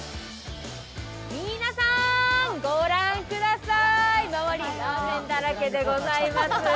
皆さん、ご覧ください、周りラーメンだらけでございます。